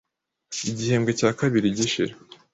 Igihembwe cya kabiri gishira,